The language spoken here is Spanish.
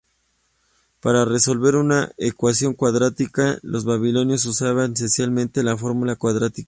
Para resolver una ecuación cuadrática, los babilonios usaban esencialmente la fórmula cuadrática.